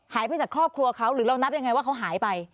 หายไปจากครอบครัวเขาหรือเรานับยังไงว่าเขาหายไป